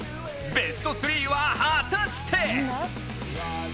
ベスト３は果たして？